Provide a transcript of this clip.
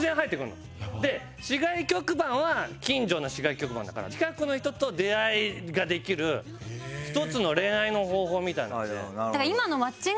で市外局番は近所の市外局番だから近くの人と出会いができる一つの恋愛の方法みたいな感じで。